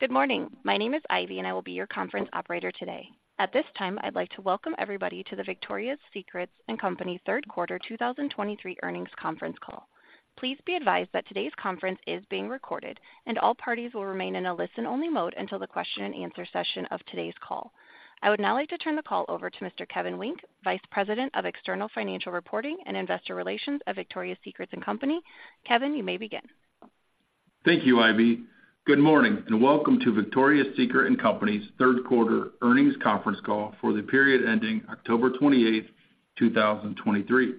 Good morning. My name is Ivy, and I will be your conference operator today. At this time, I'd like to welcome everybody to the Victoria's Secret & Co. Q3 2023 Earnings Conference Call. Please be advised that today's conference is being recorded, and all parties will remain in a listen-only mode until the question and answer session of today's call. I would now like to turn the call over to Mr. Kevin Wynk, Vice President of External Financial Reporting and Investor Relations at Victoria's Secret & Co. Kevin, you may begin. Thank you, Ivy. Good morning, and welcome to Victoria's Secret & Co.'s Q3 Earnings Conference Call for the period ending October 28, 2023.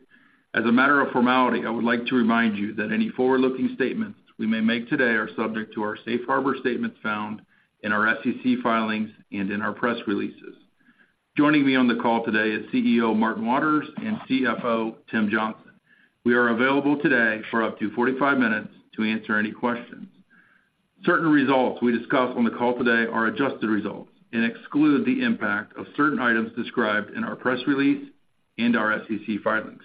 As a matter of formality, I would like to remind you that any forward-looking statements we may make today are subject to our safe harbor statements found in our SEC filings and in our press releases. Joining me on the call today is CEO Martin Waters and CFO Tim Johnson. We are available today for up to 45 minutes to answer any questions. Certain results we discuss on the call today are adjusted results and exclude the impact of certain items described in our press release and our SEC filings.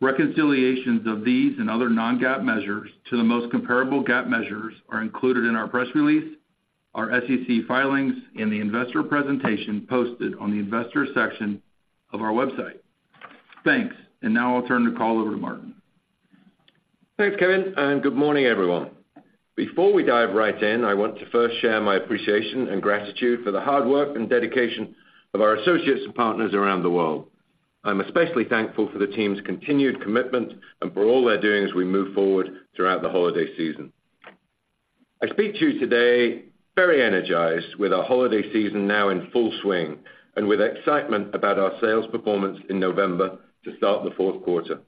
Reconciliations of these and other non-GAAP measures to the most comparable GAAP measures are included in our press release, our SEC filings, and the investor presentation posted on the investor section of our website. Thanks, and now I'll turn the call over to Martin. Thanks, Kevin, and good morning, everyone. Before we dive right in, I want to first share my appreciation and gratitude for the hard work and dedication of our associates and partners around the world. I'm especially thankful for the team's continued commitment and for all they're doing as we move forward throughout the holiday season. I speak to you today very energized, with our holiday season now in full swing, and with excitement about our sales performance in November to start the Q4.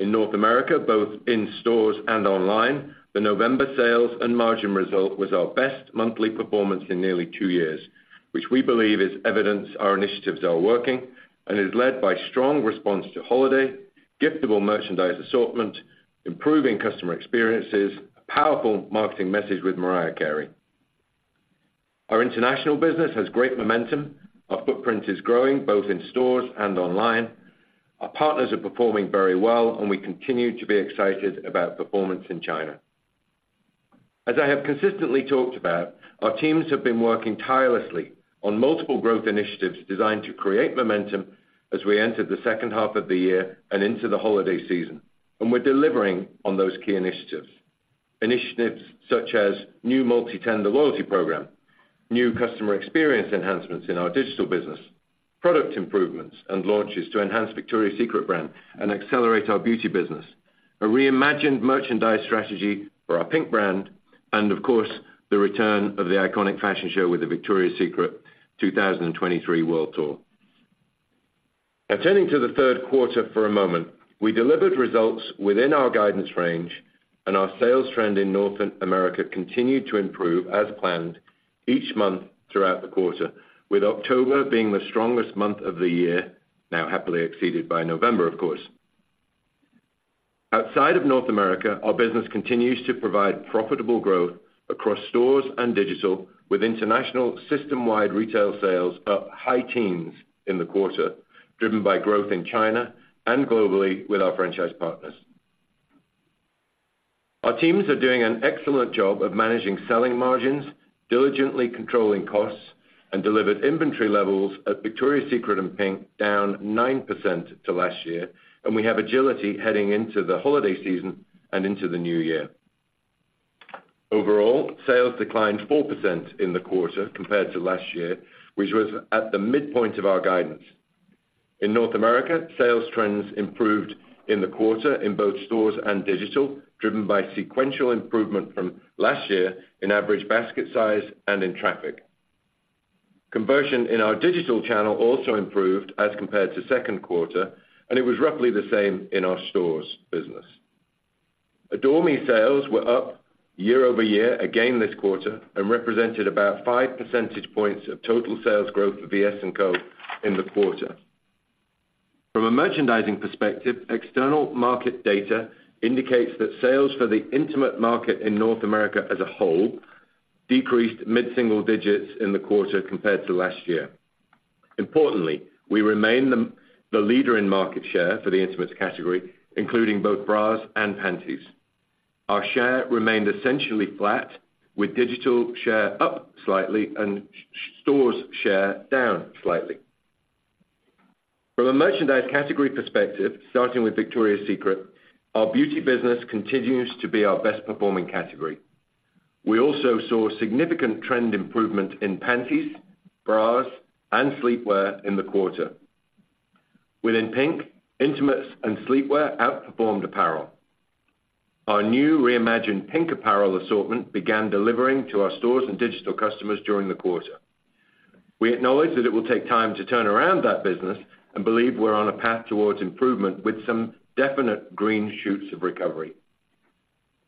In North America, both in stores and online, the November sales and margin result was our best monthly performance in nearly two years, which we believe is evidence our initiatives are working and is led by strong response to holiday, giftable merchandise assortment, improving customer experiences, a powerful marketing message with Mariah Carey. Our international business has great momentum. Our footprint is growing, both in stores and online. Our partners are performing very well, and we continue to be excited about performance in China. As I have consistently talked about, our teams have been working tirelessly on multiple growth initiatives designed to create momentum as we enter the second half of the year and into the holiday season, and we're delivering on those key initiatives. Initiatives such as new multi-tender loyalty program, new customer experience enhancements in our digital business, product improvements and launches to enhance Victoria's Secret brand and accelerate our beauty business, a reimagined merchandise strategy for our PINK brand, and of course, the return of the iconic fashion show with the Victoria's Secret 2023 World Tour. Now, turning to the Q3 for a moment, we delivered results within our guidance range, and our sales trend in North America continued to improve as planned each month throughout the quarter, with October being the strongest month of the year, now happily exceeded by November, of course. Outside of North America, our business continues to provide profitable growth across stores and digital, with international System-wide Retail Sales up high teens in the quarter, driven by growth in China and globally with our franchise partners. Our teams are doing an excellent job of managing selling margins, diligently controlling costs, and delivered inventory levels at Victoria's Secret and PINK down 9% to last year, and we have agility heading into the holiday season and into the new year. Overall, sales declined 4% in the quarter compared to last year, which was at the midpoint of our guidance. In North America, sales trends improved in the quarter in both stores and digital, driven by sequential improvement from last year in average basket size and in traffic. Conversion in our digital channel also improved as compared to Q2, and it was roughly the same in our stores business. Adore Me sales were up year-over-year, again this quarter, and represented about 5 percentage points of total sales growth for VS & Co in the quarter. From a merchandising perspective, external market data indicates that sales for the intimate market in North America as a whole decreased mid-single digits in the quarter compared to last year. Importantly, we remain the leader in market share for the intimates category, including both bras and panties. Our share remained essentially flat, with digital share up slightly and stores share down slightly. From a merchandise category perspective, starting with Victoria's Secret, our beauty business continues to be our best-performing category. We also saw significant trend improvement in panties, bras, and sleepwear in the quarter. Within PINK, intimates and sleepwear outperformed apparel. Our new reimagined PINK apparel assortment began delivering to our stores and digital customers during the quarter. We acknowledge that it will take time to turn around that business and believe we're on a path towards improvement with some definite green shoots of recovery.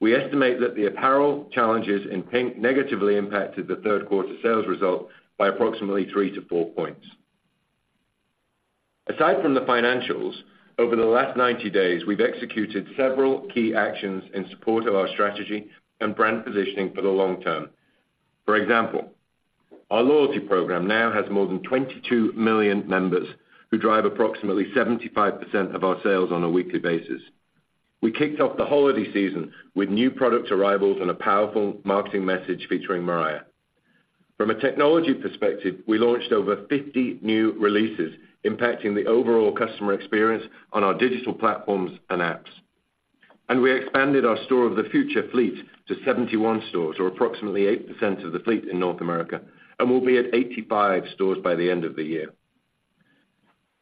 We estimate that the apparel challenges in PINK negatively impacted the Q3 sales result by approximately 3-4 points. Aside from the financials, over the last 90 days, we've executed several key actions in support of our strategy and brand positioning for the long term. For example. Our loyalty program now has more than 22 million members, who drive approximately 75% of our sales on a weekly basis. We kicked off the holiday season with new product arrivals and a powerful marketing message featuring Mariah. From a technology perspective, we launched over 50 new releases, impacting the overall customer experience on our digital platforms and apps. And we expanded our Store of the Future fleet to 71 stores, or approximately 8% of the fleet in North America, and we'll be at 85 stores by the end of the year.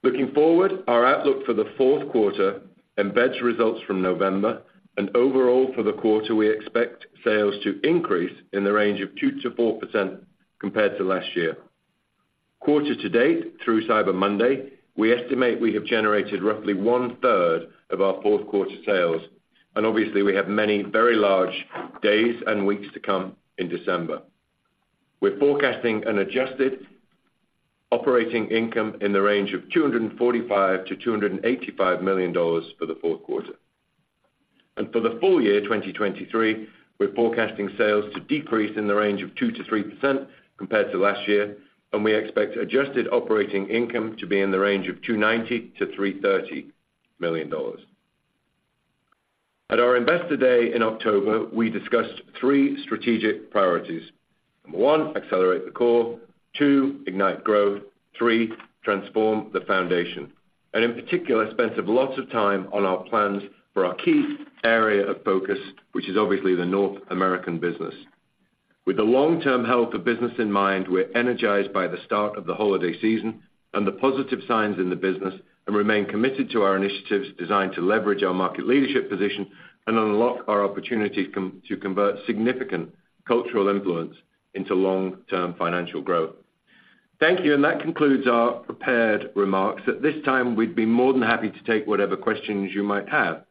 Looking forward, our outlook for the Q4 embeds results from November, and overall, for the quarter, we expect sales to increase in the range of 2%-4% compared to last year. Quarter to date, through Cyber Monday, we estimate we have generated roughly one-third of our Q4 sales, and obviously, we have many very large days and weeks to come in December. We're forecasting an adjusted operating income in the range of $245-$285 million for the Q4. For the full year 2023, we're forecasting sales to decrease in the range of 2%-3% compared to last year, and we expect adjusted operating income to be in the range of $290-$330 million. At our Investor Day in October, we discussed three strategic priorities. 1, accelerate the core, 2, ignite growth, 3, Transform the Foundation, and in particular, spent lots of time on our plans for our key area of focus, which is obviously the North American business. With the long-term health of business in mind, we're energized by the start of the holiday season and the positive signs in the business, and remain committed to our initiatives designed to leverage our market leadership position and unlock our opportunities to convert significant cultural influence into long-term financial growth. Thank you, and that concludes our prepared remarks. At this time, we'd be more than happy to take whatever questions you might have.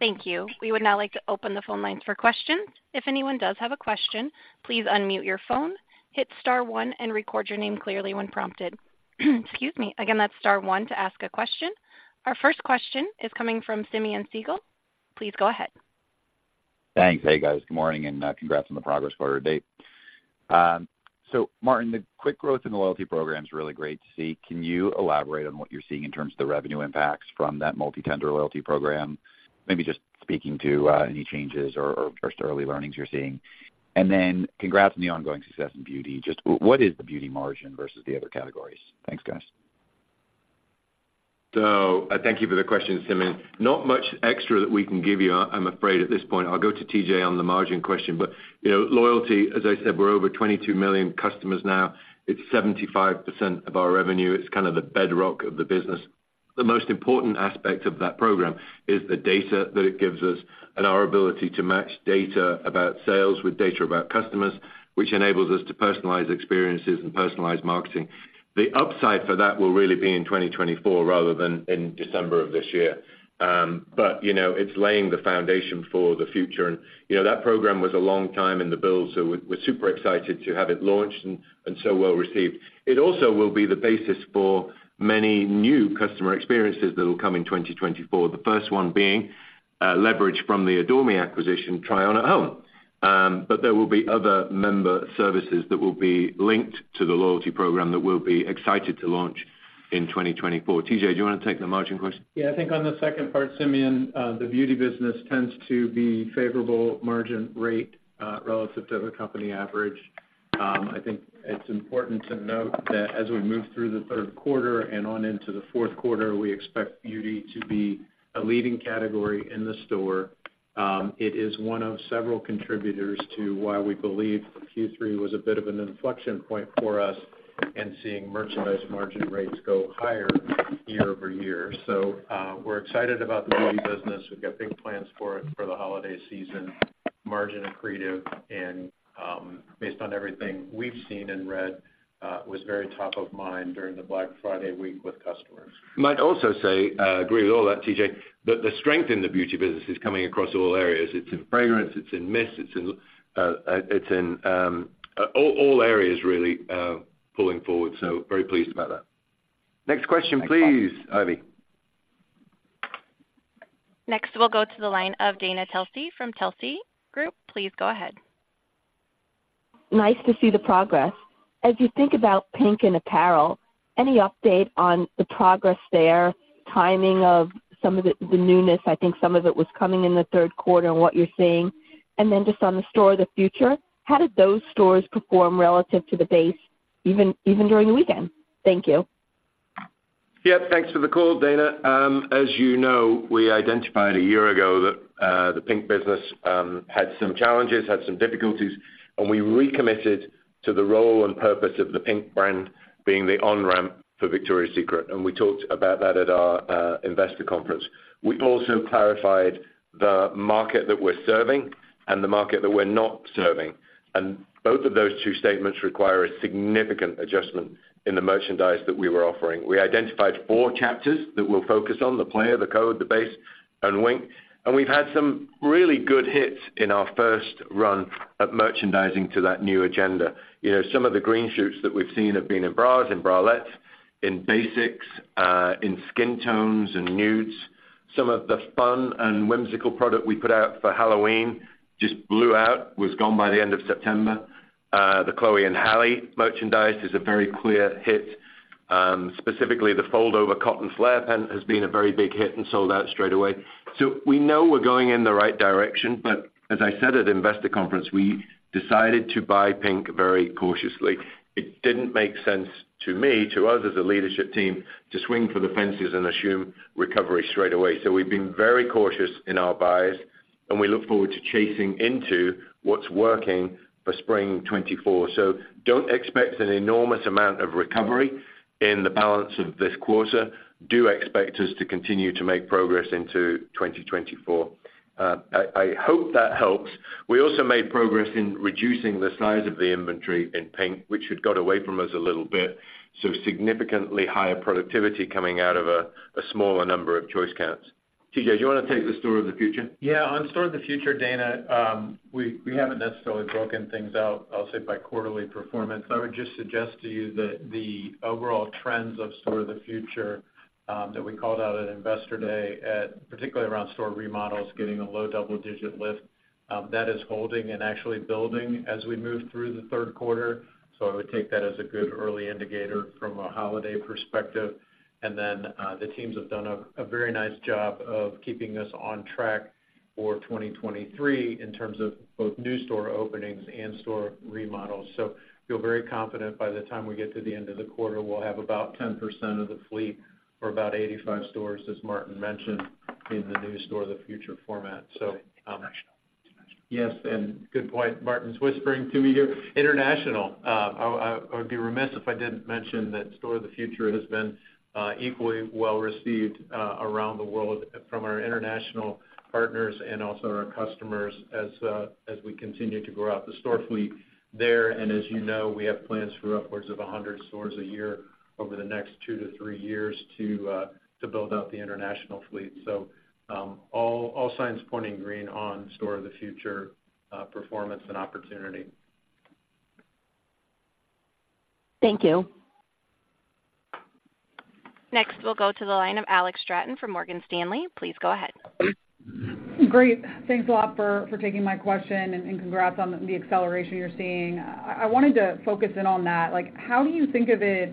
Thank you. We would now like to open the phone lines for questions. If anyone does have a question, please unmute your phone, hit star one, and record your name clearly when prompted. Excuse me. Again, that's star one to ask a question. Our first question is coming from Simeon Siegel. Please go ahead. Thanks. Hey, guys. Good morning, and congrats on the progress quarter to date. So Martin, the quick growth in the loyalty program is really great to see. Can you elaborate on what you're seeing in terms of the revenue impacts from that multi-tender loyalty program? Maybe just speaking to any changes or just early learnings you're seeing. And then congrats on the ongoing success in beauty. Just what is the beauty margin versus the other categories? Thanks, guys. So thank you for the question, Simeon. Not much extra that we can give you, I'm afraid, at this point. I'll go to TJ on the margin question, but, you know, loyalty, as I said, we're over 22 million customers now. It's 75% of our revenue. It's kind of the bedrock of the business. The most important aspect of that program is the data that it gives us and our ability to match data about sales with data about customers, which enables us to personalize experiences and personalize marketing. The upside for that will really be in 2024 rather than in December of this year. But, you know, it's laying the foundation for the future. And, you know, that program was a long time in the build, so we're super excited to have it launched and so well received. It also will be the basis for many new customer experiences that will come in 2024, the first one being, leverage from the Adore Me acquisition, try on at home. But there will be other member services that will be linked to the loyalty program that we'll be excited to launch in 2024. TJ, do you want to take the margin question? Yeah, I think on the second part, Simeon, the beauty business tends to be favorable margin rate, relative to the company average. I think it's important to note that as we move through the Q3 and on into the Q4, we expect beauty to be a leading category in the store. It is one of several contributors to why we believe Q3 was a bit of an inflection point for us in seeing merchandise margin rates go higher year-over-year. So, we're excited about the beauty business. We've got big plans for it for the holiday season. Margin accretive and, based on everything we've seen and read, was very top of mind during the Black Friday week with customers. Might also say, I agree with all that, TJ, that the strength in the beauty business is coming across all areas. It's in fragrance, it's in mist, it's in all areas really, pulling forward. So very pleased about that. Next question, please, Ivy. Next, we'll go to the line of Dana Telsey from Telsey Advisory Group. Please go ahead. Nice to see the progress. As you think about PINK and apparel, any update on the progress there, timing of some of the, the newness? I think some of it was coming in the Q3 and what you're seeing. And then just on the Store of the Future, how did those stores perform relative to the base, even, even during the weekend? Thank you. Yep, thanks for the call, Dana. As you know, we identified a year ago that the PINK business had some challenges, had some difficulties, and we recommitted to the role and purpose of the PINK brand being the on-ramp for Victoria's Secret, and we talked about that at our investor conference. We also clarified the market that we're serving and the market that we're not serving, and both of those two statements require a significant adjustment in the merchandise that we were offering. We identified four chapters that we'll focus on, The Play, The Code, The Base, and Wink, and we've had some really good hits in our first run at merchandising to that new agenda. You know, some of the green shoots that we've seen have been in bras and bralettes, in basics, in skin tones and nudes. Some of the fun and whimsical product we put out for Halloween just blew out, was gone by the end of September. The Chlöe and Halle merchandise is a very clear hit. Specifically, the fold-over cotton flare pant has been a very big hit and sold out straight away. So we know we're going in the right direction, but as I said at investor conference, we decided to buy PINK very cautiously. It didn't make sense to me, to us, as a leadership team, to swing for the fences and assume recovery straight away. So we've been very cautious in our buys, and we look forward to chasing into what's working for spring 2024. So don't expect an enormous amount of recovery in the balance of this quarter. Do expect us to continue to make progress into 2024. I hope that helps. We also made progress in reducing the size of the inventory in PINK, which had got away from us a little bit, so significantly higher productivity coming out of a smaller number of choice counts. TJ, do you wanna take the Store of the Future? Yeah. On Store of the Future, Dana, we haven't necessarily broken things out, I'll say, by quarterly performance. I would just suggest to you that the overall trends of Store of the Future that we called out at Investor Day, at particularly around store remodels, getting a low double-digit lift, that is holding and actually building as we move through the Q3, so I would take that as a good early indicator from a holiday perspective. And then, the teams have done a very nice job of keeping us on track for 2023 in terms of both new store openings and store remodels. So feel very confident by the time we get to the end of the quarter, we'll have about 10% of the fleet, or about 85 stores, as Martin mentioned, in the new Store of the Future format. So, um- International. Yes, and good point. Martin's whispering to me here. International. I would be remiss if I didn't mention that Store of the Future has been equally well received around the world from our international partners and also our customers, as we continue to grow out the store fleet there. And as you know, we have plans for upwards of 100 stores a year over the next two to three years to build out the international fleet. So, all signs pointing green on Store of the Future performance and opportunity. Thank you. Next, we'll go to the line of Alex Stratton from Morgan Stanley. Please go ahead. Great. Thanks a lot for taking my question, and congrats on the acceleration you're seeing. I wanted to focus in on that. Like, how do you think of it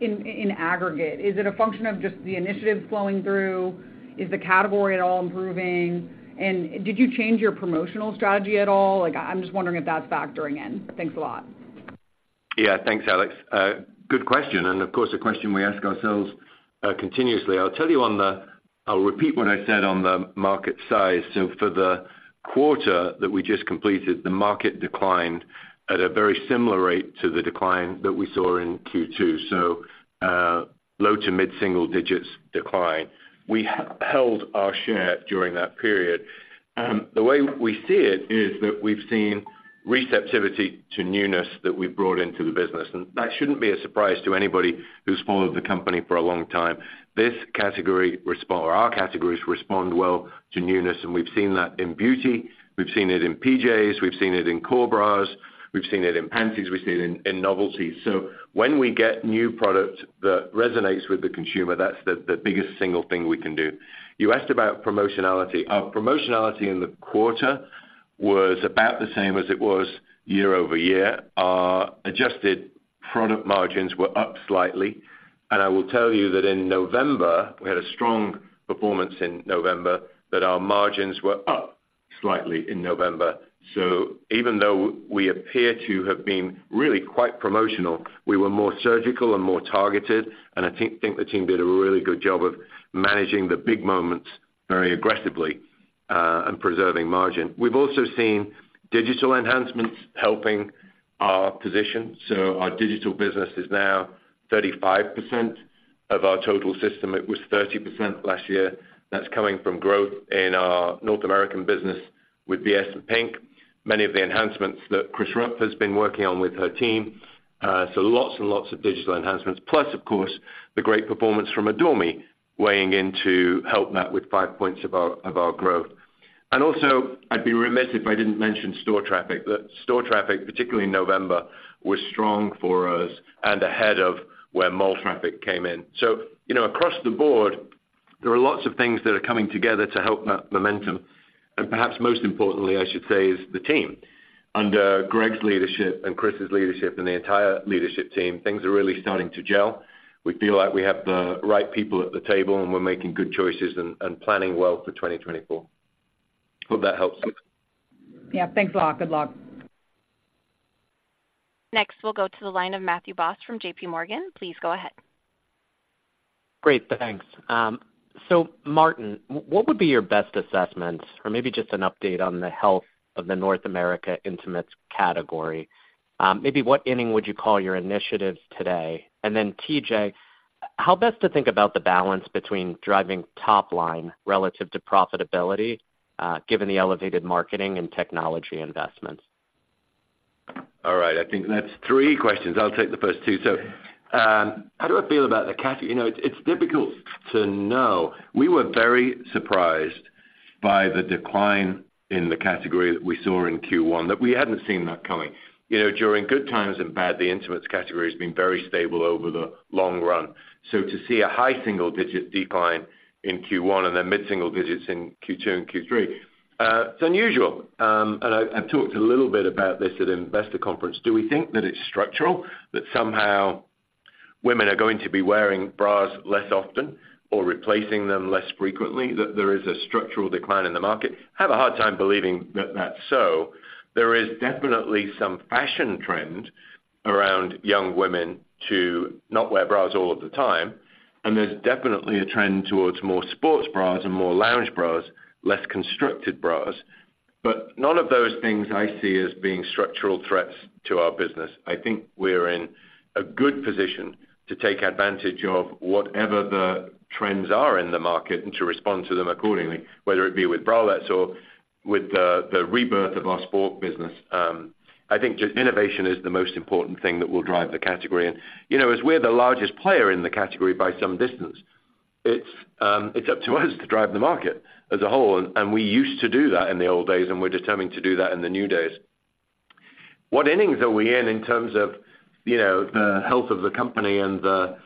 in aggregate? Is it a function of just the initiatives flowing through? Is the category at all improving? And did you change your promotional strategy at all? Like, I'm just wondering if that's factoring in. Thanks a lot. Yeah. Thanks, Alex. Good question, and of course, a question we ask ourselves continuously. I'll tell you on the... I'll repeat what I said on the market size. So for the quarter that we just completed, the market declined at a very similar rate to the decline that we saw in Q2, so low to mid-single digits decline. We held our share during that period. The way we see it is that we've seen receptivity to newness that we've brought into the business, and that shouldn't be a surprise to anybody who's followed the company for a long time. This category respond, or our categories respond well to newness, and we've seen that in beauty, we've seen it in PJs, we've seen it in core bras, we've seen it in panties, we've seen it in, in novelties. So when we get new product that resonates with the consumer, that's the, the biggest single thing we can do. You asked about promotionality. Our promotionality in the quarter was about the same as it was year-over-year. Our adjusted product margins were up slightly, and I will tell you that in November, we had a strong performance in November, that our margins were up slightly in November. So even though we appear to have been really quite promotional, we were more surgical and more targeted, and I think, think the team did a really good job of managing the big moments very aggressively, and preserving margin. We've also seen digital enhancements helping our position, so our digital business is now 35% of our total system. It was 30% last year. That's coming from growth in our North American business with VS and PINK. Many of the enhancements that Chris Rupp has been working on with her team, so lots and lots of digital enhancements, plus, of course, the great performance from Adore Me weighing in to help net with 5 points of our, of our growth. And also, I'd be remiss if I didn't mention store traffic. The store traffic, particularly in November, was strong for us and ahead of where mall traffic came in. So, you know, across the board, there are lots of things that are coming together to help that momentum, and perhaps most importantly, I should say, is the team. Under Greg's leadership and Chris's leadership and the entire leadership team, things are really starting to gel. We feel like we have the right people at the table, and we're making good choices and, and planning well for 2024. Hope that helps. Yeah. Thanks a lot. Good luck. Next, we'll go to the line of Matthew Boss from JPMorgan. Please go ahead. Great, thanks. So Martin, what would be your best assessment, or maybe just an update on the health of the North America intimates category? Maybe what inning would you call your initiatives today? And then, TJ, how best to think about the balance between driving top line relative to profitability, given the elevated marketing and technology investments? All right, I think that's three questions. I'll take the first two. So, how do I feel about the category? You know, it's, it's difficult to know. We were very surprised by the decline in the category that we saw in Q1, that we hadn't seen that coming. You know, during good times and bad, the intimates category has been very stable over the long run. So to see a high single-digit decline in Q1 and then mid-single digits in Q2 and Q3, it's unusual. And I, I've talked a little bit about this at Investor Conference. Do we think that it's structural, that somehow women are going to be wearing bras less often or replacing them less frequently, that there is a structural decline in the market? I have a hard time believing that that's so. There is definitely some fashion trend around young women to not wear bras all of the time, and there's definitely a trend towards more sports bras and more lounge bras, less constructed bras. But none of those things I see as being structural threats to our business. I think we're in a good position to take advantage of whatever the trends are in the market and to respond to them accordingly, whether it be with bralettes or with the rebirth of our sport business. I think just innovation is the most important thing that will drive the category. And you know, as we're the largest player in the category by some distance, it's up to us to drive the market as a whole, and we used to do that in the old days, and we're determined to do that in the new days. What innings are we in, in terms of, you know, the health of the company and the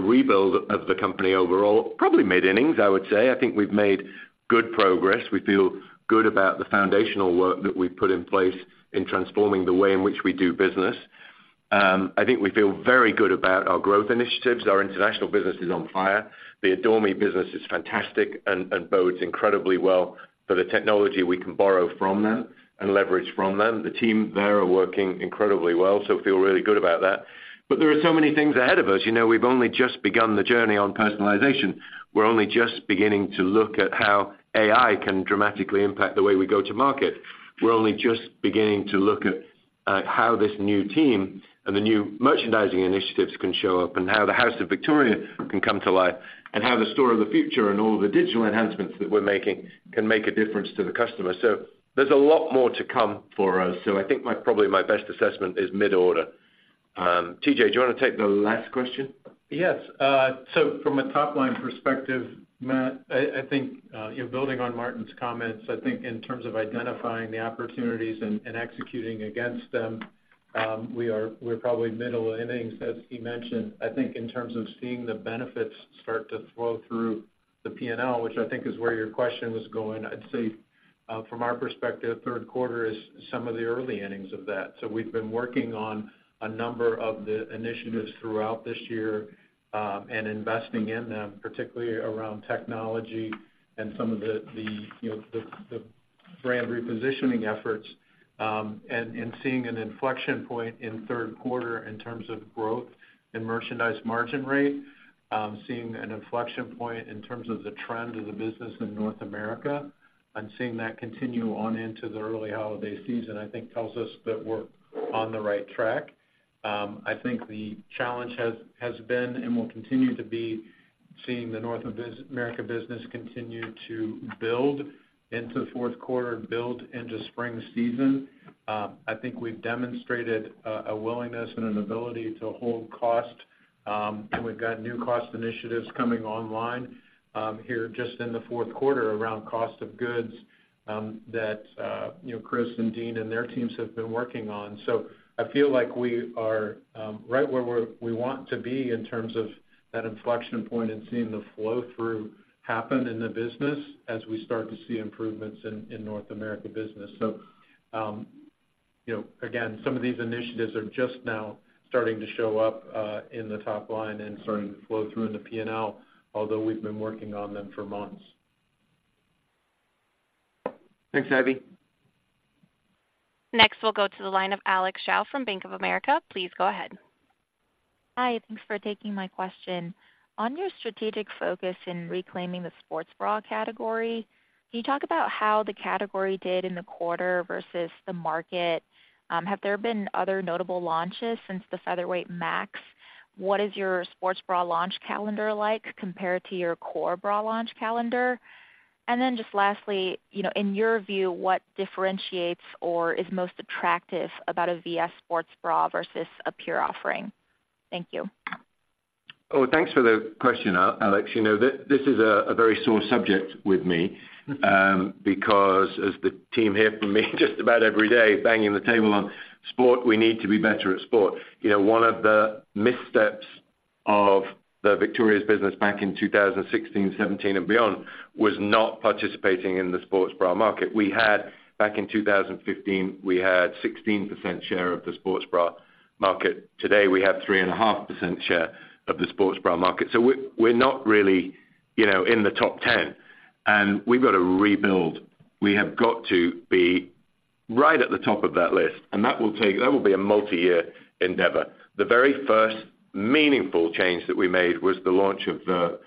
rebuild of the company overall? Probably mid innings, I would say. I think we've made good progress. We feel good about the foundational work that we've put in place in transforming the way in which we do business. I think we feel very good about our growth initiatives. Our international business is on fire. The Adore Me business is fantastic and bodes incredibly well for the technology we can borrow from them and leverage from them. The team there are working incredibly well, so feel really good about that. But there are so many things ahead of us. You know, we've only just begun the journey on personalization. We're only just beginning to look at how AI can dramatically impact the way we go to market. We're only just beginning to look at how this new team and the new merchandising initiatives can show up, and how the House of Victoria can come to life, and how the Store of the Future and all the digital enhancements that we're making can make a difference to the customer. So there's a lot more to come for us. So I think my, probably my best assessment is mid-order. TJ, do you want to take the last question? Yes. So from a top-line perspective, Matt, I, I think, you know, building on Martin's comments, I think in terms of identifying the opportunities and executing against them, we are - we're probably middle innings, as he mentioned. I think in terms of seeing the benefits start to flow through the P&L, which I think is where your question was going, I'd say, from our perspective, Q3 is some of the early innings of that. So we've been working on a number of the initiatives throughout this year, and investing in them, particularly around technology and some of the, you know, the brand repositioning efforts, and seeing an inflection point in Q3 in terms of growth and merchandise margin rate, seeing an inflection point in terms of the trend of the business in North America, and seeing that continue on into the early holiday season, I think tells us that we're on the right track. I think the challenge has been and will continue to be seeing the North America business continue to build into Q4 and build into spring season. I think we've demonstrated a willingness and an ability to hold cost, and we've got new cost initiatives coming online here just in the Q4 around cost of goods that you know Chris and Dein and their teams have been working on. So I feel like we are right where we want to be in terms of that inflection point and seeing the flow-through happen in the business as we start to see improvements in North America business. So you know again some of these initiatives are just now starting to show up in the top line and starting to flow through in the P&L, although we've been working on them for months. Thanks, Abby. Next, we'll go to the line of Alex Zhao from Bank of America. Please go ahead. Hi, thanks for taking my question. On your strategic focus in reclaiming the sports bra category, can you talk about how the category did in the quarter versus the market? Have there been other notable launches since the Featherweight Max? What is your sports bra launch calendar like compared to your core bra launch calendar? And then just lastly, you know, in your view, what differentiates or is most attractive about a VS sports bra versus a pure offering? Thank you. Oh, thanks for the question, Alex. You know, this is a very sore subject with me, because as the team hear from me just about every day, banging the table on sport, we need to be better at sport. You know, one of the missteps of the Victoria's business back in 2016, 2017, and beyond, was not participating in the sports bra market. We had back in 2015, we had 16% share of the sports bra market. Today, we have 3.5% share of the sports bra market. So we're not really, you know, in the top ten, and we've got to rebuild. We have got to be right at the top of that list, and that will take that will be a multi-year endeavor. The very first meaningful change that we made was the launch of the,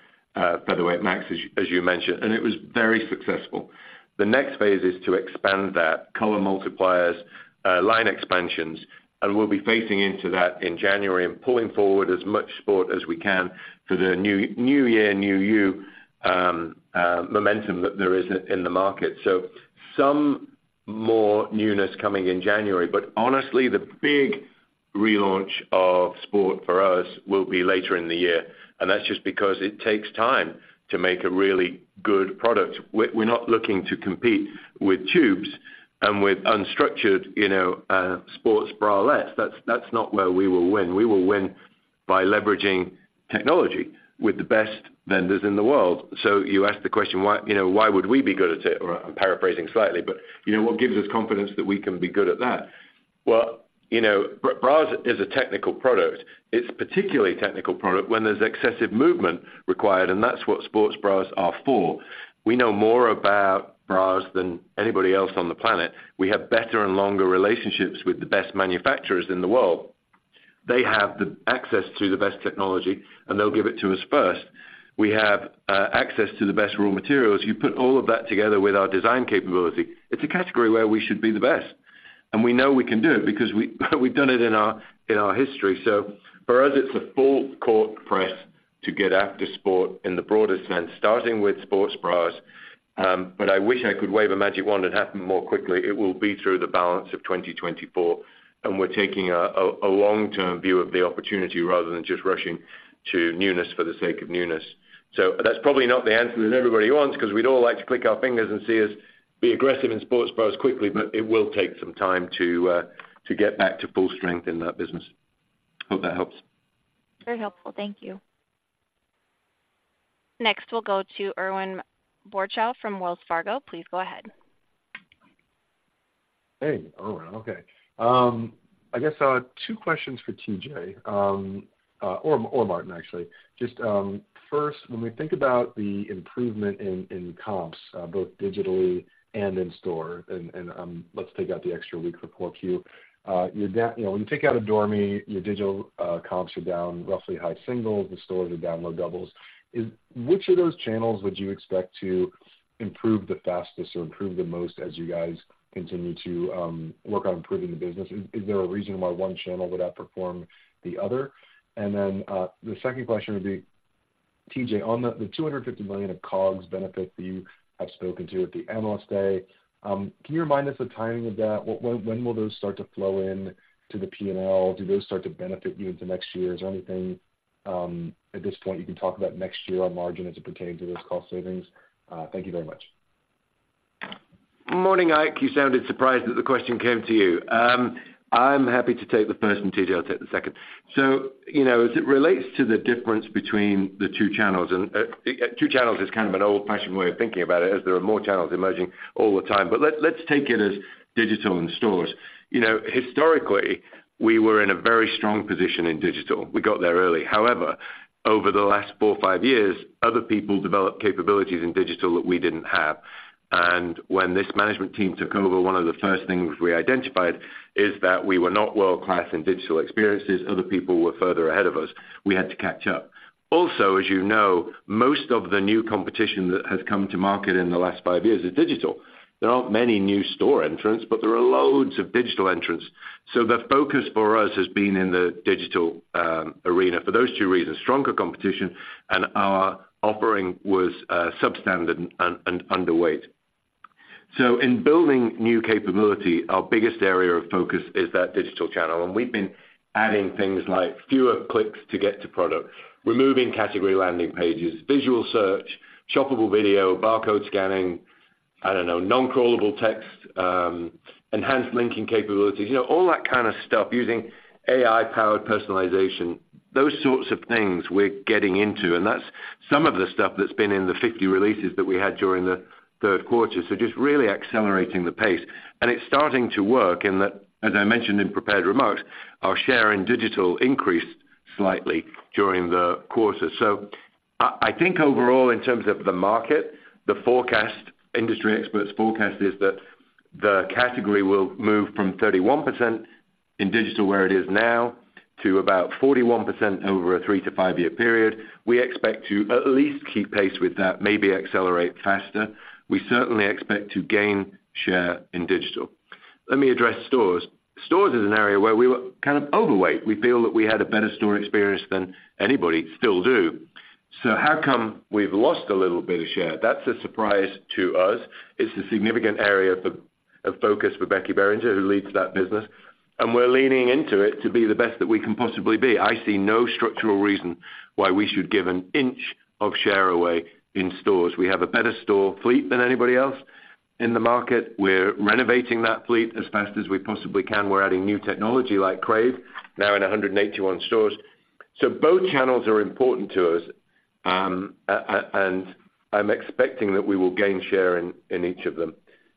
Featherweight Max, as you mentioned, and it was very successful. The next phase is to expand that color multipliers, line expansions, and we'll be facing into that in January and pulling forward as much sport as we can for the new year, new you momentum that there is in the market. So some more newness coming in January. But honestly, the big relaunch of sport for us will be later in the year, and that's just because it takes time to make a really good product. We're not looking to compete with tubes and with unstructured, you know, sports bralettes. That's not where we will win. We will win by leveraging technology with the best vendors in the world. So you asked the question, why, you know, why would we be good at it? Or I'm paraphrasing slightly, but, you know, what gives us confidence that we can be good at that? Well, you know, bras is a technical product. It's particularly a technical product when there's excessive movement required, and that's what sports bras are for. We know more about bras than anybody else on the planet. We have better and longer relationships with the best manufacturers in the world. They have the access to the best technology, and they'll give it to us first. We have access to the best raw materials. You put all of that together with our design capability, it's a category where we should be the best, and we know we can do it because we've done it in our history. So for us, it's a full court press to get after sport in the broadest sense, starting with sports bras, but I wish I could wave a magic wand and happen more quickly. It will be through the balance of 2024, and we're taking a long-term view of the opportunity rather than just rushing to newness for the sake of newness. So that's probably not the answer that everybody wants, 'cause we'd all like to click our fingers and see us be aggressive in sports bras quickly, but it will take some time to get back to full strength in that business. Hope that helps. Very helpful. Thank you. Next, we'll go to Ike Boruchow from Wells Fargo. Please go ahead. Hey, Ike, okay. I guess two questions for TJ, or Martin, actually. Just first, when we think about the improvement in comps, both digitally and in store, and let's take out the extra week for 4Q. Your down—you know, when you take out Adore Me, your digital comps are down roughly high single, the store, the download doubles. Which of those channels would you expect to improve the fastest or improve the most as you guys continue to work on improving the business? Is there a reason why one channel would outperform the other? And then the second question would be, TJ, on the $250 million of COGS benefit that you have spoken to at the Analyst Day, can you remind us the timing of that? What, when, when will those start to flow in to the P&L? Do those start to benefit you into next year? Is there anything at this point you can talk about next year on margin as it pertains to those cost savings? Thank you very much. Morning, Ike. You sounded surprised that the question came to you. I'm happy to take the first, and TJ will take the second. So, you know, as it relates to the difference between the two channels, and two channels is kind of an old-fashioned way of thinking about it, as there are more channels emerging all the time. But let's take it as digital and stores. You know, historically, we were in a very strong position in digital. We got there early. However, over the last four or five years, other people developed capabilities in digital that we didn't have. And when this management team took over, one of the first things we identified is that we were not world-class in digital experiences. Other people were further ahead of us. We had to catch up. Also, as you know, most of the new competition that has come to market in the last five years is digital. There aren't many new store entrants, but there are loads of digital entrants. So the focus for us has been in the digital arena for those two reasons, stronger competition, and our offering was substandard and underweight. So in building new capability, our biggest area of focus is that digital channel, and we've been adding things like fewer clicks to get to product, removing category landing pages, visual search, shoppable video, barcode scanning, I don't know, non-crawlable text, enhanced linking capabilities, you know, all that kind of stuff, using AI-powered personalization, those sorts of things we're getting into. And that's some of the stuff that's been in the 50 releases that we had during the Q3. So just really accelerating the pace. It's starting to work in that, as I mentioned in prepared remarks, our share in digital increased slightly during the quarter. So I, I think overall, in terms of the market, the forecast, industry experts forecast is that the category will move from 31% in digital, where it is now, to about 41% over a 3-5-year period. We expect to at least keep pace with that, maybe accelerate faster. We certainly expect to gain share in digital. Let me address stores. Stores is an area where we were kind of overweight. We feel that we had a better store experience than anybody, still do. So how come we've lost a little bit of share? That's a surprise to us. It's a significant area of focus for Becky Behringer, who leads that business, and we're leaning into it to be the best that we can possibly be. I see no structural reason why we should give an inch of share away in stores. We have a better store fleet than anybody else in the market. We're renovating that fleet as fast as we possibly can. We're adding new technology like Crave, now in 181 stores... So both channels are important to us, and I'm expecting that we will gain share in each of them.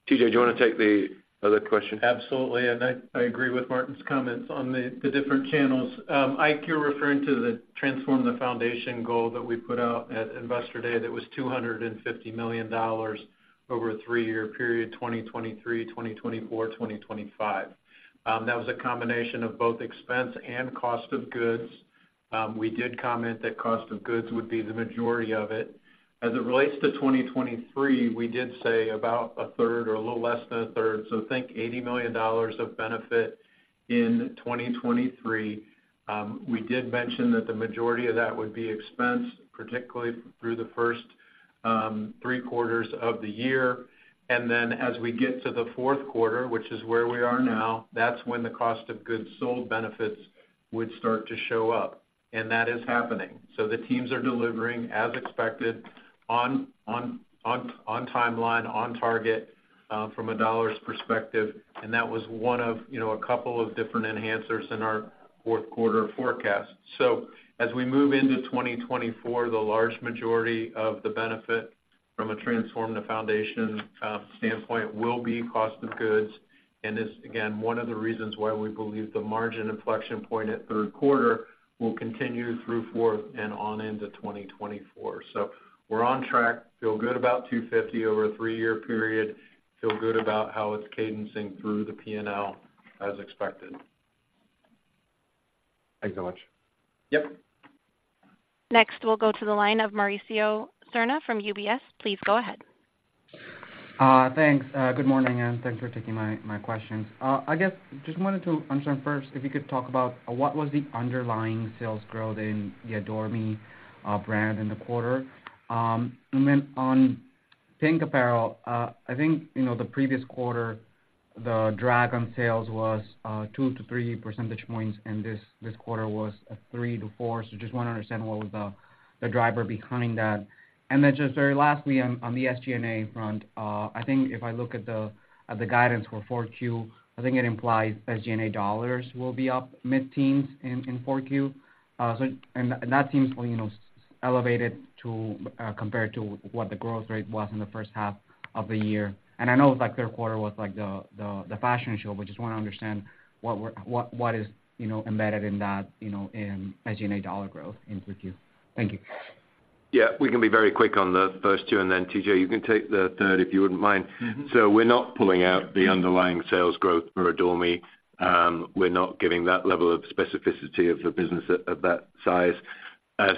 TJ, do you wanna take the other question? Absolutely, and I agree with Martin's comments on the different channels. Ike, you're referring to the Transform the Foundation goal that we put out at Investor Day, that was $250 million over a three-year period, 2023, 2024, 2025. That was a combination of both expense and cost of goods. We did comment that cost of goods would be the majority of it. As it relates to 2023, we did say about a third or a little less than a third, so think $80 million of benefit in 2023. We did mention that the majority of that would be expense, particularly through the first three quarters of the year. And then as we get to the Q4, which is where we are now, that's when the cost of goods sold benefits would start to show up, and that is happening. So the teams are delivering as expected on timeline, on target, from a dollars perspective, and that was one of, you know, a couple of different enhancers in our Q4 forecast. So as we move into 2024, the large majority of the benefit from a Transform the Foundation standpoint, will be cost of goods, and is, again, one of the reasons why we believe the margin inflection point at Q3 will continue through fourth and on into 2024. So we're on track, feel good about $250 million over a three-year period. Feel good about how it's cadencing through the P&L as expected. Thanks so much. Yep. Next, we'll go to the line of Mauricio Serna from UBS. Please go ahead. Thanks. Good morning, and thanks for taking my questions. I guess just wanted to understand first if you could talk about what was the underlying sales growth in the Adore Me brand in the quarter? And then on PINK apparel, I think you know the previous quarter the drag on sales was 2-3 percentage points, and this quarter was 3-4. So just wanna understand what was the driver behind that. And then just very lastly on the SG&A front, I think if I look at the guidance for 4Q, I think it implies SG&A dollars will be up mid-teens in 4Q. So and that seems you know elevated compared to what the growth rate was in the first half of the year. I know, like, Q3 was, like, the fashion show, but just wanna understand what we're—what is, you know, embedded in that, you know, in SG&A dollar growth in 3Q. Thank you. Yeah, we can be very quick on the first two, and then TJ, you can take the third, if you wouldn't mind. Mm-hmm. So we're not pulling out the underlying sales growth for Adore Me. We're not giving that level of specificity of the business at that size.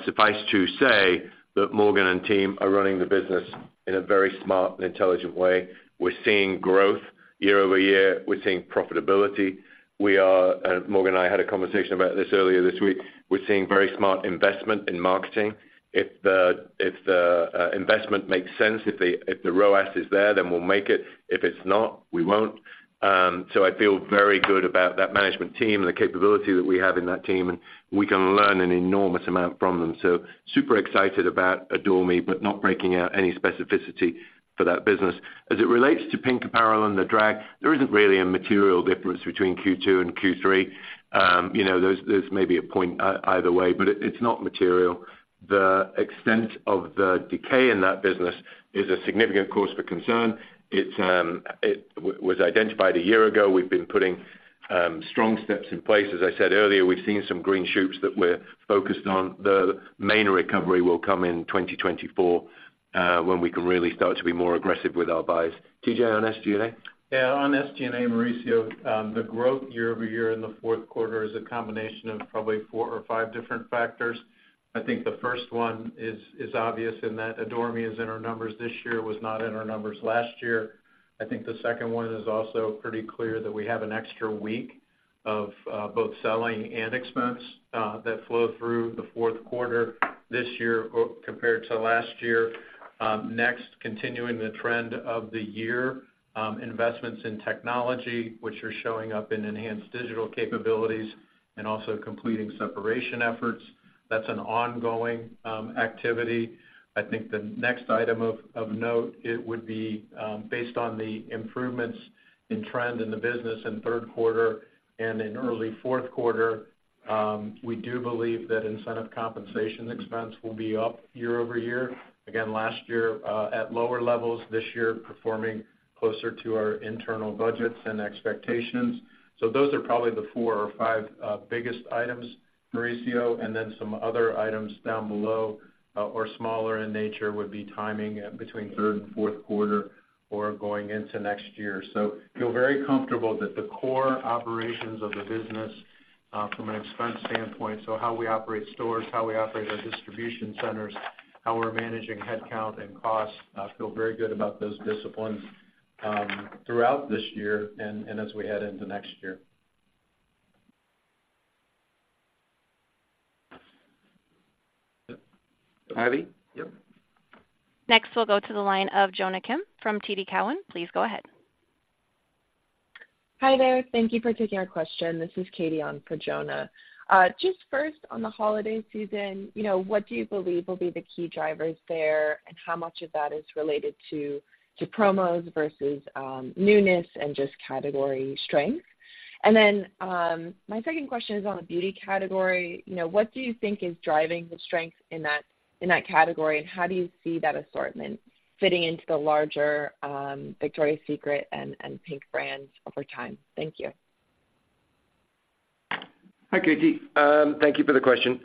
Suffice to say that Morgan and team are running the business in a very smart and intelligent way. We're seeing growth year-over-year. We're seeing profitability. We are, Morgan and I had a conversation about this earlier this week. We're seeing very smart investment in marketing. If the investment makes sense, if the ROAS is there, then we'll make it. If it's not, we won't. So I feel very good about that management team and the capability that we have in that team, and we can learn an enormous amount from them. So super excited about Adore Me, but not breaking out any specificity for that business. As it relates to PINK apparel and the drag, there isn't really a material difference between Q2 and Q3. You know, there's maybe a point either way, but it's not material. The extent of the decay in that business is a significant cause for concern. It was identified a year ago. We've been putting strong steps in place. As I said earlier, we've seen some green shoots that we're focused on. The main recovery will come in 2024, when we can really start to be more aggressive with our buys. TJ, on SG&A? Yeah, on SG&A, Mauricio, the growth year-over-year in the Q4 is a combination of probably four or five different factors. I think the first one is obvious, in that Adore Me is in our numbers this year, was not in our numbers last year. I think the second one is also pretty clear, that we have an extra week of both selling and expense that flowed through the Q4 this year, compared to last year. Next, continuing the trend of the year, investments in technology, which are showing up in enhanced digital capabilities and also completing separation efforts. That's an ongoing activity. I think the next item of note would be, based on the improvements in trend in the business in Q3 and in early Q4, we do believe that incentive compensation expense will be up year over year. Again, last year at lower levels. This year, performing closer to our internal budgets and expectations. So those are probably the four or five biggest items, Mauricio, and then some other items down below or smaller in nature would be timing between third and Q4 or going into next year. So feel very comfortable that the core operations of the business from an expense standpoint, so how we operate stores, how we operate our distribution centers, how we're managing headcount and costs, I feel very good about those disciplines throughout this year and as we head into next year. Yep. Abby, yep. Next, we'll go to the line of Jonah Kim from TD Cowen. Please go ahead. Hi there. Thank you for taking our question. This is Katie on for Jonah. Just first, on the holiday season, you know, what do you believe will be the key drivers there, and how much of that is related to promos versus newness and just category strength? And then, my second question is on the beauty category. You know, what do you think is driving the strength in that category, and how do you see that assortment fitting into the larger, Victoria's Secret and PINK brands over time? Thank you. Hi, Katie. Thank you for the question.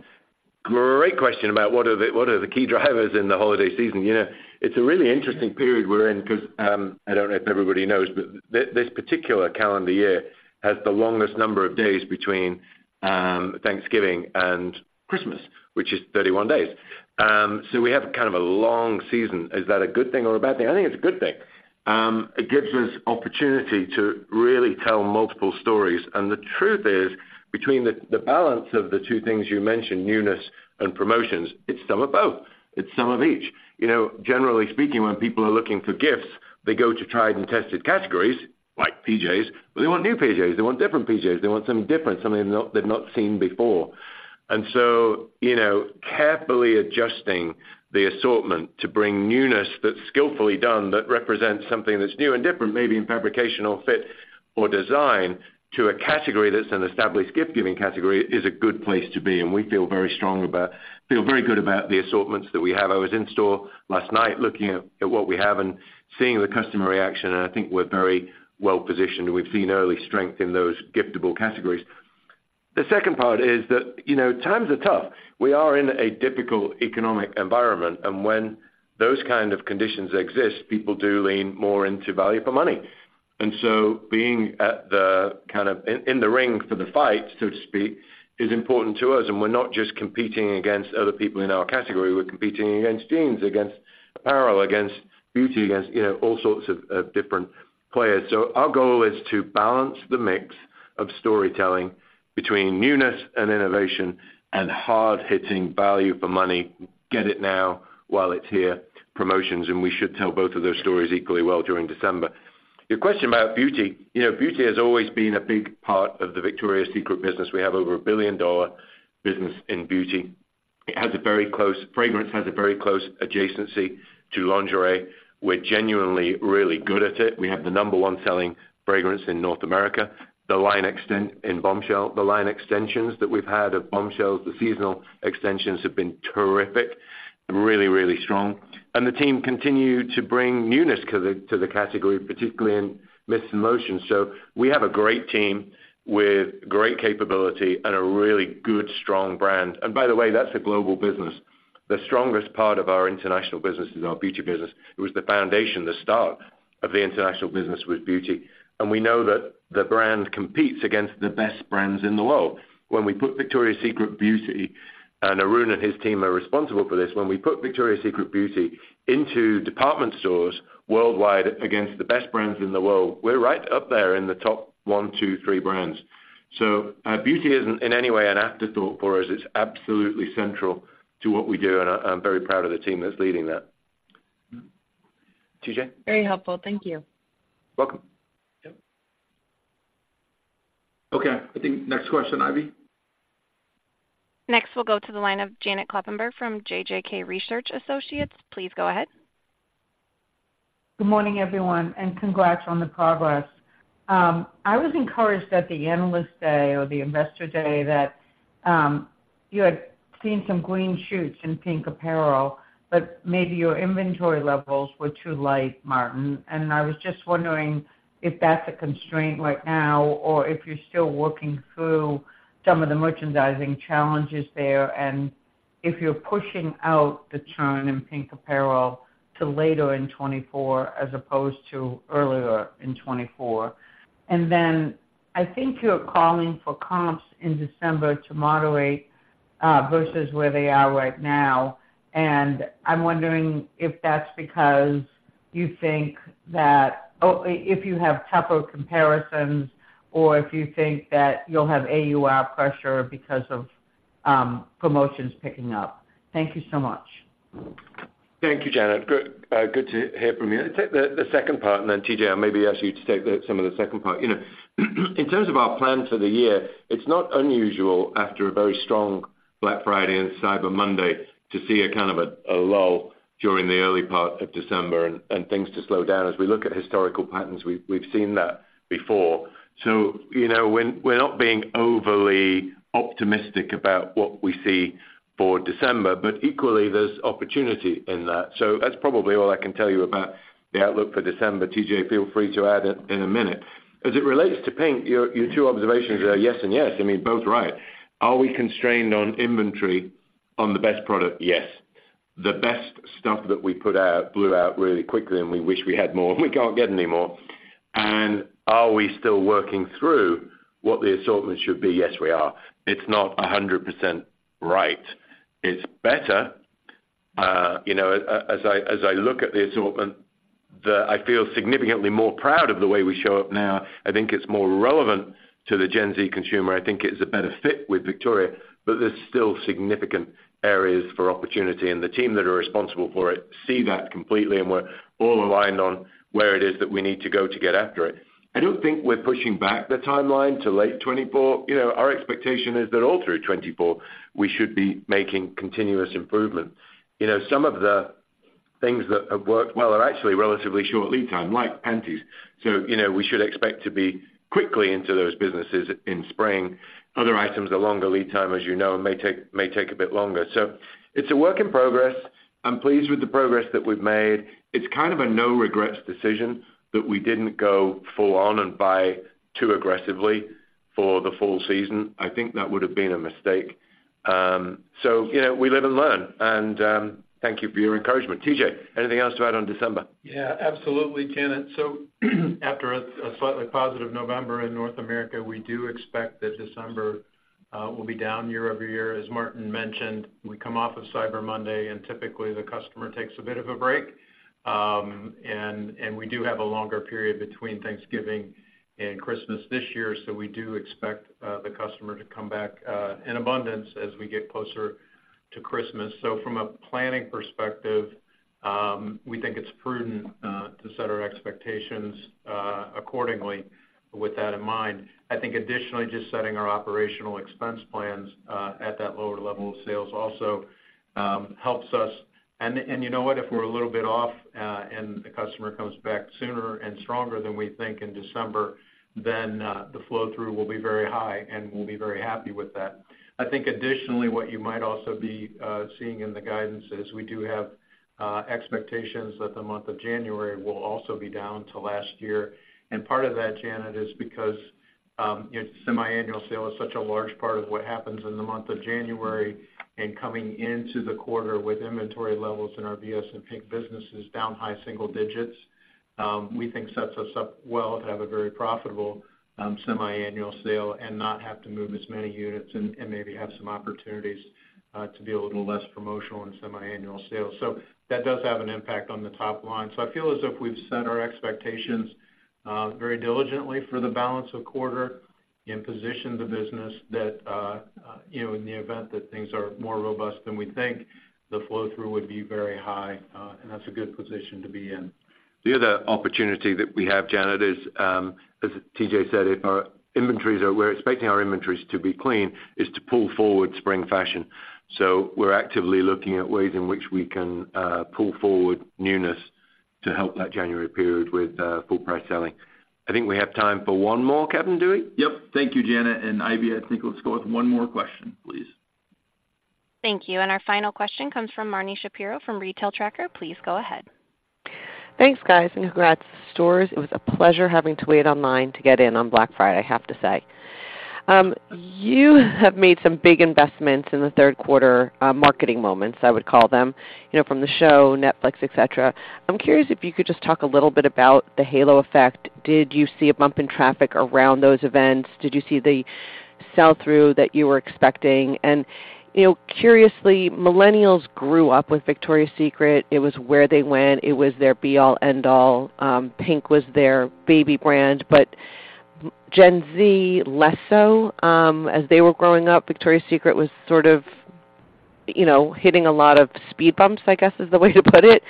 Great question about what are the key drivers in the holiday season. You know, it's a really interesting period we're in because, I don't know if everybody knows, but this particular calendar year has the longest number of days between, Thanksgiving and Christmas, which is 31 days. So we have kind of a long season. Is that a good thing or a bad thing? I think it's a good thing. It gives us opportunity to really tell multiple stories, and the truth is, between the balance of the two things you mentioned, newness and promotions, it's some of both. It's some of each. You know, generally speaking, when people are looking for gifts, they go to tried-and-tested categories, like PJs, but they want new PJs. They want different PJs. They want something different, something they've not, they've not seen before. And so, you know, carefully adjusting the assortment to bring newness that's skillfully done, that represents something that's new and different, maybe in fabrication or fit or design, to a category that's an established gift-giving category, is a good place to be, and we feel very strong about, feel very good about the assortments that we have. I was in store last night looking at, what we have and seeing the customer reaction, and I think we're very well positioned, and we've seen early strength in those giftable categories. The second part is that, you know, times are tough. We are in a difficult economic environment, and when those kind of conditions exist, people do lean more into value for money. And so being at the kind of in the ring for the fight, so to speak, is important to us, and we're not just competing against other people in our category. We're competing against jeans, against apparel, against beauty, against, you know, all sorts of different players. So our goal is to balance the mix of storytelling between newness and innovation and hard-hitting value for money, get it now while it's here, promotions, and we should tell both of those stories equally well during December. Your question about beauty. You know, beauty has always been a big part of the Victoria's Secret business. We have over a billion-dollar business in beauty. It has a very close... Fragrance has a very close adjacency to lingerie. We're genuinely really good at it. We have the number one selling fragrance in North America. The line extent in Bombshell, the line extensions that we've had of Bombshell, the seasonal extensions have been terrific, really, really strong. And the team continue to bring newness to the category, particularly in mists and lotions. So we have a great team with great capability and a really good, strong brand. And by the way, that's a global business. The strongest part of our international business is our beauty business. It was the foundation, the start of the international business with beauty, and we know that the brand competes against the best brands in the world. When we put Victoria's Secret Beauty, and Arun and his team are responsible for this, when we put Victoria's Secret Beauty into department stores worldwide against the best brands in the world, we're right up there in the top one, two, three brands. Beauty isn't in any way an afterthought for us. It's absolutely central to what we do, and I'm very proud of the team that's leading that. TJ? Very helpful. Thank you. Welcome. Yep. Okay, I think next question, Ivy. Next, we'll go to the line of Janet Kloppenburg from JJK Research Associates. Please go ahead. Good morning, everyone, and congrats on the progress. I was encouraged at the Analyst Day or the Investor Day that you had seen some green shoots in PINK apparel, but maybe your inventory levels were too light, Martin, and I was just wondering if that's a constraint right now, or if you're still working through some of the merchandising challenges there, and if you're pushing out the turn in PINK apparel to later in 2024, as opposed to earlier in 2024. And then I think you're calling for comps in December to moderate versus where they are right now. And I'm wondering if that's because you think that, oh, if you have tougher comparisons or if you think that you'll have AUR pressure because of promotions picking up. Thank you so much. Thank you, Janet. Good to hear from you. I'll take the second part, and then TJ, I'll maybe ask you to take some of the second part. You know, in terms of our plan for the year, it's not unusual after a very strong Black Friday and Cyber Monday to see a kind of a lull during the early part of December and things to slow down. As we look at historical patterns, we've seen that before. So you know, we're not being overly optimistic about what we see for December, but equally, there's opportunity in that. So that's probably all I can tell you about the outlook for December. TJ, feel free to add in a minute. As it relates to PINK, your two observations are yes and yes. I mean, both right. Are we constrained on inventory on the best product? Yes. The best stuff that we put out blew out really quickly, and we wish we had more, and we can't get any more. Are we still working through what the assortment should be? Yes, we are. It's not 100% right. It's better, you know, as I look at the assortment, I feel significantly more proud of the way we show up now. I think it's more relevant to the Gen Z consumer. I think it's a better fit with Victoria, but there's still significant areas for opportunity, and the team that are responsible for it see that completely, and we're all aligned on where it is that we need to go to get after it. I don't think we're pushing back the timeline to late 2024. You know, our expectation is that all through 2024, we should be making continuous improvement. You know, some of the things that have worked well are actually relatively short lead time, like panties. So, you know, we should expect to be quickly into those businesses in spring. Other items are longer lead time, as you know, may take a bit longer. So it's a work in progress. I'm pleased with the progress that we've made. It's kind of a no regrets decision that we didn't go full on and buy too aggressively for the fall season. I think that would have been a mistake. So, you know, we live and learn, and thank you for your encouragement. TJ, anything else to add on December? Yeah, absolutely, Janet. So after a slightly positive November in North America, we do expect that December will be down year over year. As Martin mentioned, we come off of Cyber Monday, and typically the customer takes a bit of a break. And we do have a longer period between Thanksgiving and Christmas this year, so we do expect the customer to come back in abundance as we get closer to Christmas. So from a planning perspective, we think it's prudent to set our expectations accordingly with that in mind. I think additionally, just setting our operational expense plans at that lower level of sales also helps us. And you know what? If we're a little bit off, and the customer comes back sooner and stronger than we think in December, then, the flow-through will be very high, and we'll be very happy with that. I think additionally, what you might also be seeing in the guidance is we do have expectations that the month of January will also be down to last year. And part of that, Janet, is because, Semi-Annual Sale is such a large part of what happens in the month of January, and coming into the quarter with inventory levels in our VS and PINK business is down high single digits, we think sets us up well to have a very profitable, Semi-Annual Sale and not have to move as many units, and maybe have some opportunities, to be a little less promotional on Semi-Annual Sale. So that does have an impact on the top line. So I feel as if we've set our expectations, very diligently for the balance of quarter and positioned the business that, you know, in the event that things are more robust than we think, the flow-through would be very high, and that's a good position to be in. The other opportunity that we have, Janet, is, as TJ said, we're expecting our inventories to be clean, is to pull forward spring fashion. So we're actively looking at ways in which we can pull forward newness to help that January period with full price selling. I think we have time for one more, Kevin Duffy. Yep. Thank you, Janet and Ivy. I think, let's go with one more question, please. Thank you. And our final question comes from Marni Shapiro from Retail Tracker. Please go ahead. Thanks, guys, and congrats to the stores. It was a pleasure having to wait online to get in on Black Friday, I have to say. You have made some big investments in the Q3, marketing moments, I would call them, you know, from the show, Netflix, et cetera. I'm curious if you could just talk a little bit about the halo effect. Did you see a bump in traffic around those events? Did you see the sell-through that you were expecting? And, you know, curiously, millennials grew up with Victoria's Secret. It was where they went. It was their be all, end all. PINK was their baby brand, but Gen Z, less so. As they were growing up, Victoria's Secret was sort of, you know, hitting a lot of speed bumps, I guess, is the way to put it.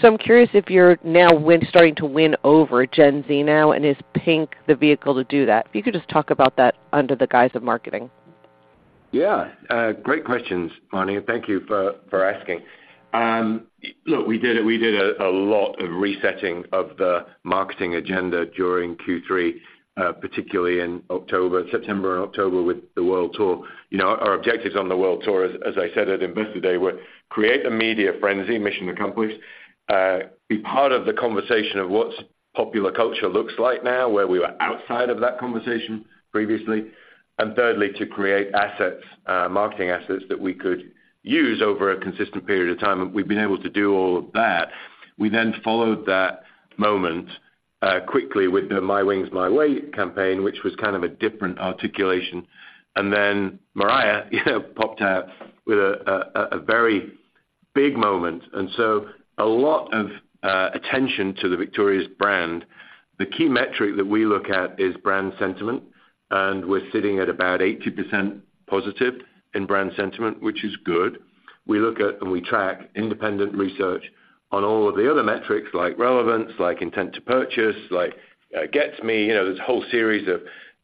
So I'm curious if you're now starting to win over Gen Z now, and is PINK the vehicle to do that? If you could just talk about that under the guise of marketing. Yeah, great questions, Marni, and thank you for asking. Look, we did a lot of resetting of the marketing agenda during Q3, particularly in September and October with the World Tour. You know, our objectives on the World Tour, as I said at Investor Day, were create a media frenzy, mission accomplished. Be part of the conversation of what popular culture looks like now, where we were outside of that conversation previously. And thirdly, to create assets, marketing assets that we could use over a consistent period of time, and we've been able to do all of that. We then followed that moment, quickly with the My Wings, My Way campaign, which was kind of a different articulation. Then Mariah, you know, popped out with a very big moment, and so a lot of attention to the Victoria's brand. The key metric that we look at is brand sentiment, and we're sitting at about 80% positive in brand sentiment, which is good. We look at and we track independent research on all of the other metrics, like relevance, like intent to purchase, like gets me, you know, there's a whole series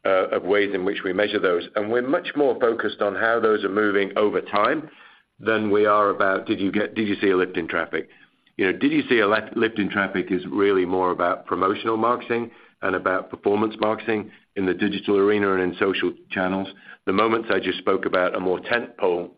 of ways in which we measure those, and we're much more focused on how those are moving over time than we are about, did you see a lift in traffic? You know, did you see a lift in traffic is really more about promotional marketing and about performance marketing in the digital arena and in social channels. The moments I just spoke about are more tent-pole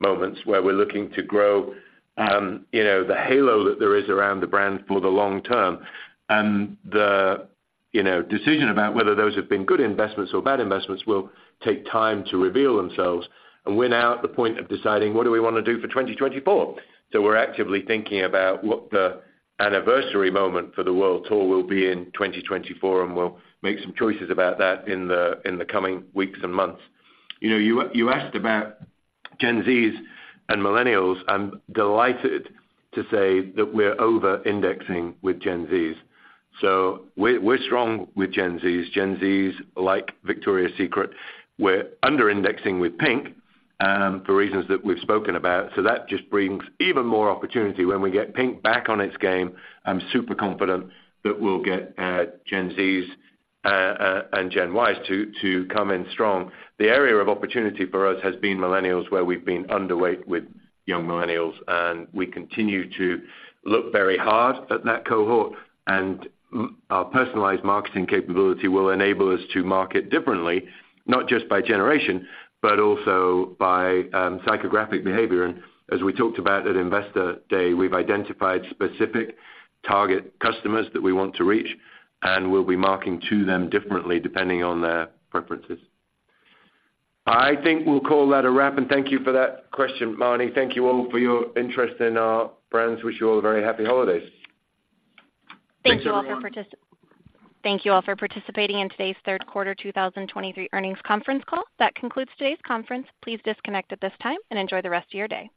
moments, where we're looking to grow, you know, the halo that there is around the brand for the long term. And the, you know, decision about whether those have been good investments or bad investments will take time to reveal themselves. And we're now at the point of deciding what do we wanna do for 2024? So we're actively thinking about what the anniversary moment for the World Tour will be in 2024, and we'll make some choices about that in the, in the coming weeks and months. You know, you asked about Gen Zs and millennials. I'm delighted to say that we're over-indexing with Gen Zs. So we're strong with Gen Zs. Gen Zs like Victoria's Secret. We're under-indexing with PINK, for reasons that we've spoken about. So that just brings even more opportunity. When we get PINK back on its game, I'm super confident that we'll get Gen Zs and Gen Ys to come in strong. The area of opportunity for us has been millennials, where we've been underweight with young millennials, and we continue to look very hard at that cohort. Our personalized marketing capability will enable us to market differently, not just by generation, but also by psychographic behavior. And as we talked about at Investor Day, we've identified specific target customers that we want to reach, and we'll be marketing to them differently, depending on their preferences. I think we'll call that a wrap, and thank you for that question, Marni. Thank you all for your interest in our brands. Wish you all a very happy holidays! Thank you all for participating in today's Q3 2023 earnings conference call. That concludes today's conference. Please disconnect at this time and enjoy the rest of your day.